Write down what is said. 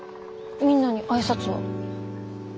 みんなに挨拶は？